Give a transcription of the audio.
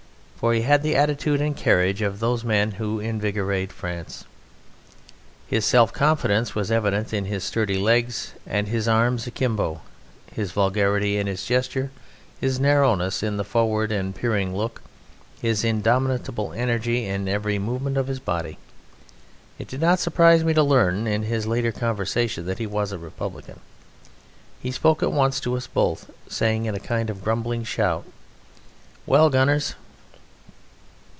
For he had the attitude and carriage of those men who invigorate France. His self confidence was evident in his sturdy legs and his arms akimbo, his vulgarity in his gesture, his narrowness in his forward and peering look, his indomitable energy in every movement of his body. It did not surprise me to learn in his later conversation that he was a Republican. He spoke at once to us both, saying in a kind of grumbling shout: "Well, gunners!"